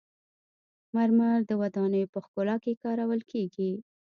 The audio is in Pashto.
مرمر د ودانیو په ښکلا کې کارول کیږي.